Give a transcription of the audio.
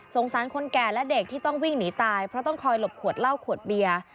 สารคนแก่และเด็กที่ต้องวิ่งหนีตายเพราะต้องคอยหลบขวดเหล้าขวดเบียร์